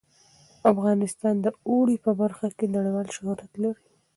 افغانستان د اوړي په برخه کې نړیوال شهرت لري.